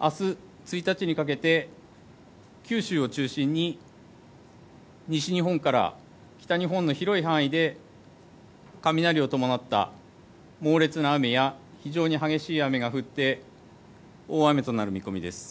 あす１日にかけて、九州を中心に、西日本から北日本の広い範囲で、雷を伴った猛烈な雨や、非常に激しい雨が降って、大雨となる見込みです。